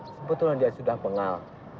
sebetulnya dia sudah pengal